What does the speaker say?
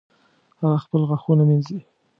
هغه خپل غاښونه مینځي